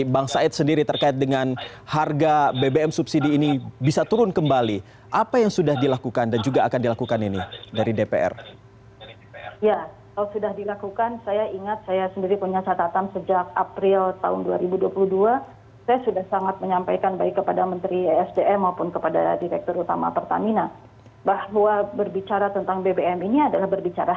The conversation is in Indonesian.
bahwa berbicara tentang bbm ini adalah berbicara